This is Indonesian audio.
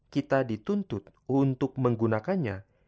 kita dituntut untuk menggunakannya